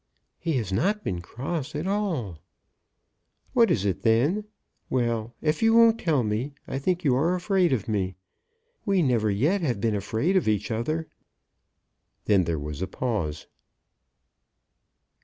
"He has not been cross at all." "What is it then? Well; if you won't tell me, I think that you are afraid of me. We never yet have been afraid of each other." Then there was a pause.